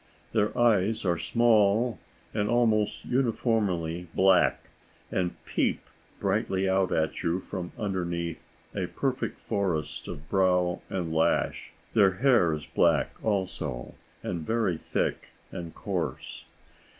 Their eyes are small and almost uniformly black, and peep brightly out at you from underneath a perfect forest of brow and lash. Their hair is black, also, and very thick and coarse.